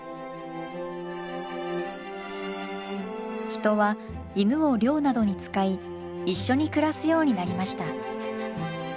人は犬を猟などに使い一緒に暮らすようになりました。